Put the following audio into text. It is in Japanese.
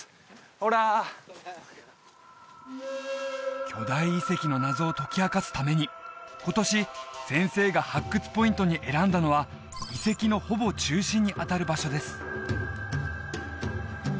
・オラ巨大遺跡の謎を解き明かすために今年先生が発掘ポイントに選んだのは遺跡のほぼ中心にあたる場所です